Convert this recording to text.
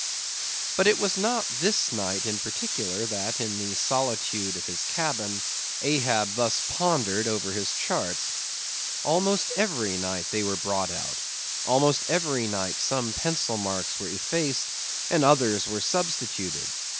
But it was not this night in particular that, in the solitude of his cabin, Ahab thus pondered over his charts. Almost every night they were brought out; almost every night some pencil marks were effaced, and others were substituted.